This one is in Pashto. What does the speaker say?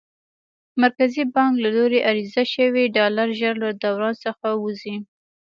مرکزي بانک له لوري عرضه شوي ډالر ژر له دوران څخه وځي.